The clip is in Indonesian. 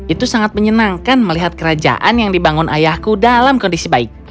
itu sangat menyenangkan melihat kerajaan yang dibangun ayahku dalam kondisi baik